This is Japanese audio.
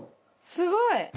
すごい。